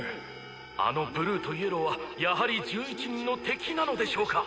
あのブルーとイエローはやはり１１人の敵なのでしょうか？